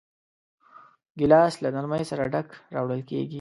ګیلاس له نرمۍ سره ډک راوړل کېږي.